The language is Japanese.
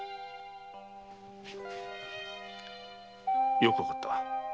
よくわかった。